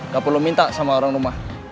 gak perlu minta sama orang rumah